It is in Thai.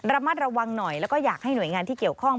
ระมัดระวังหน่อยแล้วก็อยากให้หน่วยงานที่เกี่ยวข้อง